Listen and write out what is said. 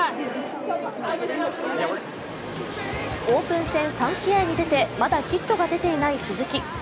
オープン戦３試合に出てまだヒットが出ていない鈴木。